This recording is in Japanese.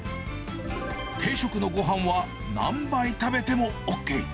定食のごはんは何杯食べてもＯＫ。